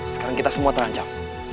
sekarang kita semua terancam